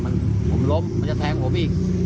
ผมร้มมันจะแพงเนี่ย